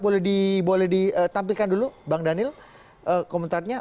boleh ditampilkan dulu bang daniel komentarnya